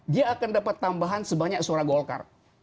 dia akan dapat tambahan sebanyak suara golkar